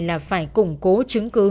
là phải củng cố chứng cứ